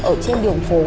ở trên đường phố